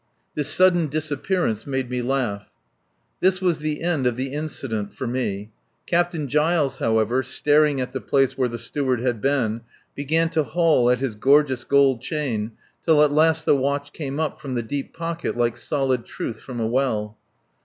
This sudden disappearance made me laugh. This was the end of the incident for me. Captain Giles, however, staring at the place where the Steward had been, began to haul at his gorgeous gold chain till at last the watch came up from the deep pocket like solid truth from a well.